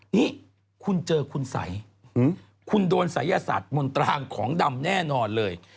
นี่คุณเจอคุณสัยคุณโดนศัยศาสตร์มนตรางของดำแน่นอนเลย